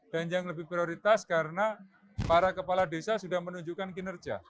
dan yang lebih prioritas karena para kepala desa sudah menunjukkan kinerja